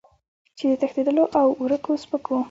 چې د تښتېدلو او ورکو سپکو